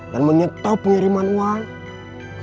dan menyetau pengiriman uang